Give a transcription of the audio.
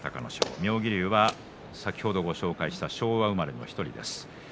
妙義龍は先ほどご紹介した昭和生まれの１人です。